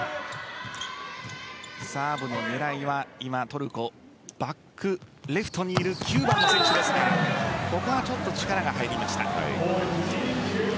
サーブの狙いは今、トルコバックレフトにいる９番の選手ですがここは力が入りました。